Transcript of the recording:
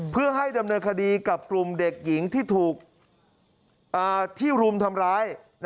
เพื่อให้ดำเนินคดีกับกลุ่มเด็กหญิงที่ถูกที่รุมทำร้าย